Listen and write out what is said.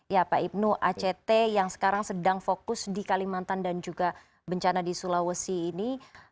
ya pak ibnu act yang sekarang sedang fokus di kalimantan dan juga bencana di sulawesi ini